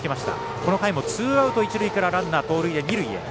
この回もツーアウト、一塁からランナー、二塁へ。